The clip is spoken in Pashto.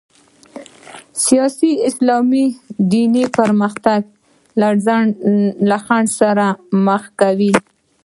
سیاسي اسلام دنیوي پرمختګ له خنډ سره مخ کوي.